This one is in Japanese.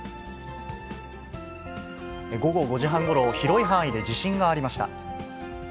午後５時半ごろ、広い範囲で地震がありました。